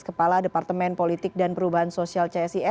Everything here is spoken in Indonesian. kepala departemen politik dan perubahan sosial csis